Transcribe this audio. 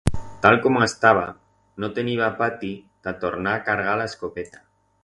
Tal coma estaba, no teniba pati ta tornar a cargar la escopeta.